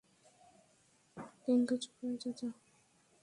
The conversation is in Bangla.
প্রিয়াঙ্কা চোপড়া, চাচা।